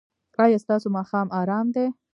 ایا ستاسو ماښام ارام دی؟